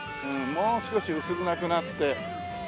もう少し薄暗くなって。